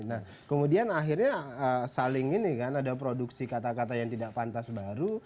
nah kemudian akhirnya saling ini kan ada produksi kata kata yang tidak pantas baru